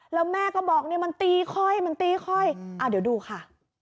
แล้วแม่ก็บอกเนี่ยมันตีค่อยมันตีค่อยเดี๋ยวดูค่ะ